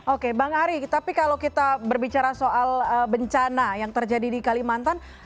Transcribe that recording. oke bang ari tapi kalau kita berbicara soal bencana yang terjadi di kalimantan